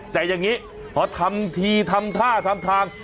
แต่อย่างนี้พอทำทีทำท่าทำทาง